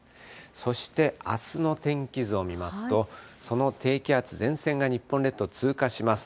そしてあすの天気図を見ますと、その低気圧、前線が日本列島通過します。